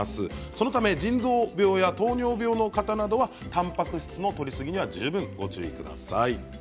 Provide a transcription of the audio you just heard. そのため腎臓病や糖尿病の方などはたんぱく質のとりすぎには十分ご注意ください。